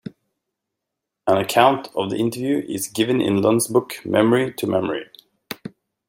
An account of the interview is given in Lunn's book "Memory to Memory".